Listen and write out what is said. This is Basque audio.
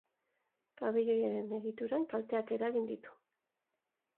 Pabilioiaren egituran kalteak eragin ditu.